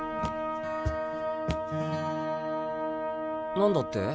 何だって？